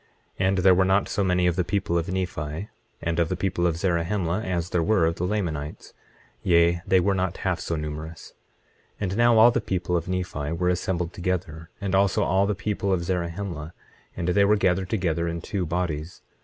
25:3 And there were not so many of the people of Nephi and of the people of Zarahemla as there were of the Lamanites; yea, they were not half so numerous. 25:4 And now all the people of Nephi were assembled together, and also all the people of Zarahemla, and they were gathered together in two bodies.